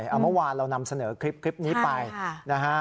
เอาเมื่อวานเรานำเสนอคลิปนี้ไปนะฮะ